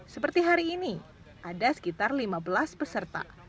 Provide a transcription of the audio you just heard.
seperti hari ini ada sekitar lima belas peserta